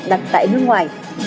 đặt tại nước ngoài